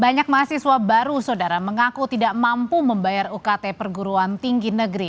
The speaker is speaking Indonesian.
banyak mahasiswa baru saudara mengaku tidak mampu membayar ukt perguruan tinggi negeri